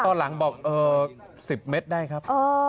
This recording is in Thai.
ตอนหลังบอก๑๐เมตรได้ครับ